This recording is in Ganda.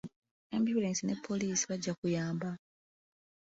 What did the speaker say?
Ambyulensi ne poliisi bajja okuyamba.